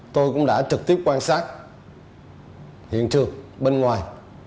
tôi cũng đã trực tiếp quan sát hiện trường bên ngoài